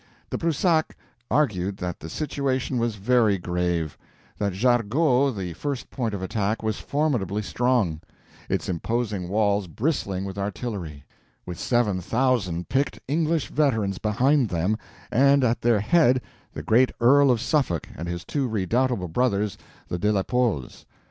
De Brusac argued that the situation was very grave; that Jargeau, the first point of attack, was formidably strong; its imposing walls bristling with artillery; with seven thousand picked English veterans behind them, and at their head the great Earl of Suffolk and his two redoubtable brothers, the De la Poles.